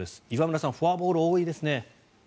岩村さん、フォアボール多いですね。